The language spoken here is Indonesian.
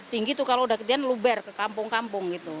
tinggi tuh kalau udah kejadian luber ke kampung kampung gitu